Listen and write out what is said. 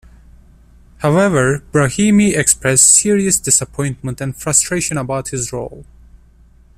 However, Brahimi expressed serious disappointment and frustration about his role.